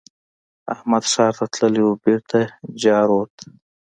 احمد ښار ته تللی وو؛ بېرته جارووت.